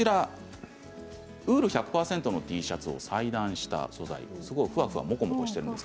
ウール１００％のＴシャツを裁断した素材でふわふわ、もこもこしています。